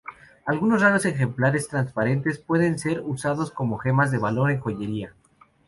Algunos raros ejemplares transparentes pueden ser usados como gemas de valor en joyería.